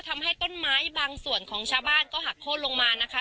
ทำให้ต้นไม้บางส่วนของชาวบ้านก็หักโค้นลงมานะคะ